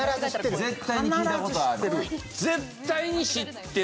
絶対に知ってる。